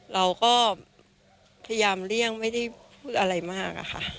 เราก็พยายามเลี่ยงไม่ได้พูดอะไรมากอะค่ะ